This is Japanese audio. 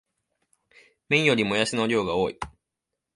麺よりもやしの量が多い